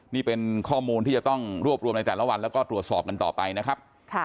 นี่เป็นข้อมูลที่จะต้องรวบรวมในแต่ละวันแล้วก็ตรวจสอบกันต่อไปนะครับ